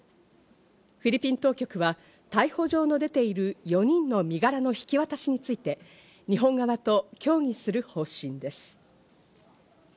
フィリピン当局は、逮捕状の出ている４人の身柄の引き渡しについて日本側と協議する方針です。